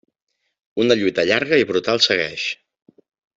Una lluita llarga i brutal segueix.